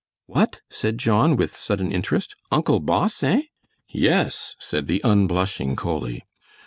"What?" said John, with sudden interest, "Uncle boss, eh?" "Yes," said the unblushing Coley.